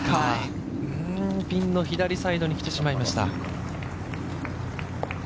ピンの左サイドに来てしまいました。